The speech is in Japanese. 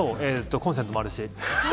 コンセントもあるし。